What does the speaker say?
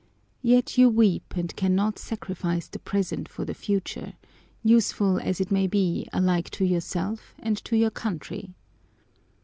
Yet you weep and cannot sacrifice the present for the future, useful as it may be alike to yourself and to your country.'